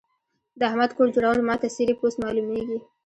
د احمد کور جوړول ما ته څيرې پوست مالومېږي.